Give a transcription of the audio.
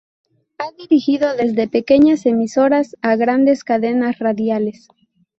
Ha dirigido desde pequeñas emisoras a grandes cadenas radiales.